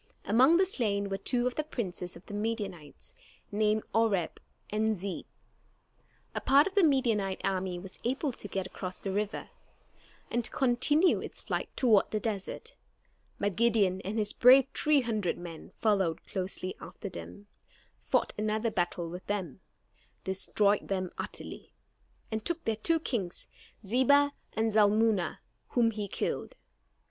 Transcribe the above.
Among the slain were two of the princes of the Midianites, named Oreb and Zeeb. A part of the Midianite army was able to get across the river, and to continue its flight toward the desert; but Gideon and his brave three hundred men followed closely after them, fought another battle with them, destroyed them utterly, and took their two kings, Zebah and Zalmunna, whom he killed.